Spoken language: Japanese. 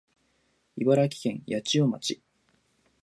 茨城県八千代町